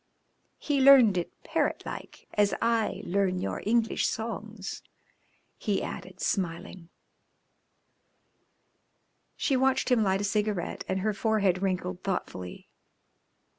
He learned it parrot like, as I learn your English songs," he added, smiling. She watched him light a cigarette, and her forehead wrinkled thoughtfully.